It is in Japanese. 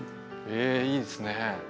えいいですね。